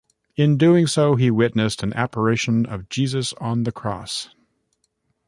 In doing so, he witnessed an apparition of Jesus on the cross.